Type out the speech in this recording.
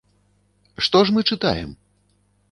Што ж мы чытаем?